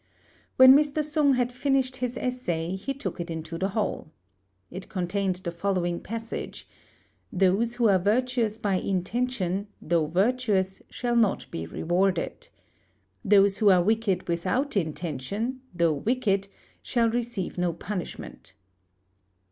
When Mr. Sung had finished his essay, he took it into the hall. It contained the following passage: "Those who are virtuous by intention, though virtuous, shall not be rewarded. Those who are wicked without intention, though wicked, shall receive no punishment."